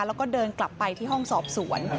แล้วก็เดินกลับไปที่ห้องสอบสวน